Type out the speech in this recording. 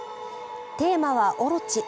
テーマは「大蛇オロチ」。